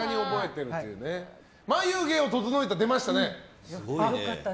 眉毛を整えた、出ましたね。